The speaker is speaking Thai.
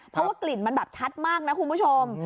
เพราะว่ากลิ่นมันแบบชัดมากนะคุณผู้ชม